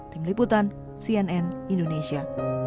tim liputan cnn indonesia